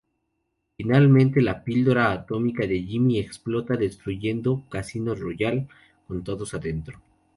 Finalmente, la píldora atómica de Jimmy explota, destruyendo Casino Royale con todos adentro.